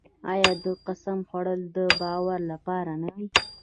آیا د قسم خوړل د باور لپاره نه وي؟